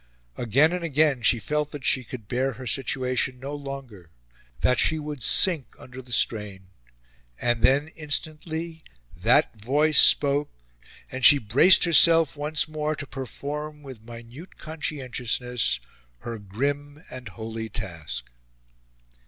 Again and again she felt that she could bear her situation no longer that she would sink under the strain. And then, instantly, that Voice spoke: and she braced herself once more to perform, with minute conscientiousness, her grim and holy task.